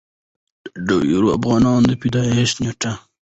د ډېرو افغانانو د پېدايښت نيټه